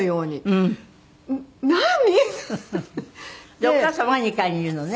でお母様は２階にいるのね？